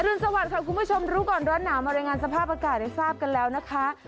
รุนสวัสดิ์คุณผู้ชมรู้ก่อนร้อนหนาวมารายงานสภาพอากาศให้ทราบกันแล้วนะคะ